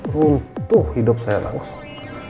runtuh hidup saya langsung